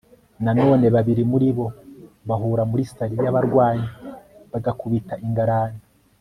na none babiri muribo bahura muri salut yabarwanyi bagakubita ingarani